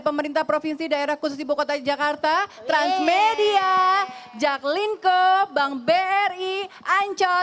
pemerintah provinsi daerah khusus ibu kota jakarta transmedia jaclyn co bang bri ancol